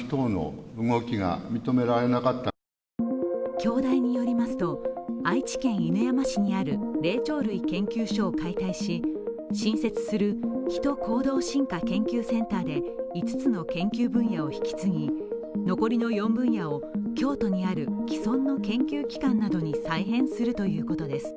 京大によりますと愛知県犬山市にある霊長類研究所を解体し新設するヒト行動進化研究センターで５つの研究分野を引き継ぎ残りの４分野を京都にある既存の研究機関などに再編するということです。